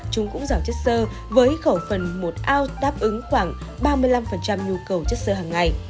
chúng cũng giàu chất sơ với khẩu phần một ounce đáp ứng khoảng ba mươi năm nhu cầu chất sơ hàng ngày